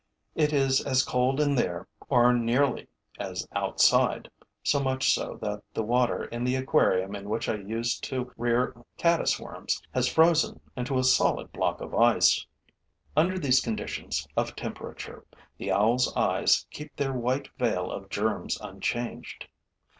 It is as cold in there, or nearly, as outside, so much so that the water in the aquarium in which I used to rear caddis worms has frozen into a solid block of ice. Under these conditions of temperature, the owl's eyes keep their white veil of germs unchanged.